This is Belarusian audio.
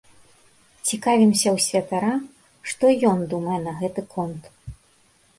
Цікавімся ў святара, што ён думае на гэты конт.